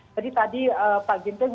tadi tadi pak ginting